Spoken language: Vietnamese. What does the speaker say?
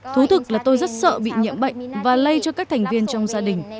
thú thực là tôi rất sợ bị nhiễm bệnh và lây cho các thành viên trong gia đình